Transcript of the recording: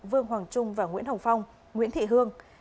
vương hoàng trung và nguyễn hồng phong nguyễn thị hương